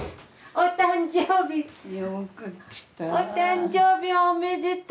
お誕生日おめでとう。